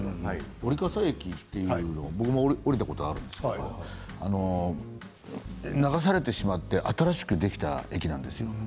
織笠駅、僕も降りたことあるんですけれど流されてしまって新しくできた駅なんです。